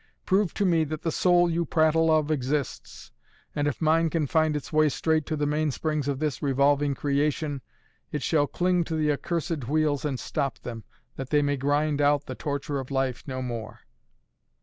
Prove to me that the soul you prattle of exists, and if mine can find its way straight to the mainsprings of this revolving creation, it shall cling to the accursed wheels and stop them, that they may grind out the torture of life no more."